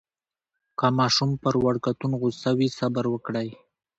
که ماشوم پر وړکتون غوصه وي، صبر وکړئ.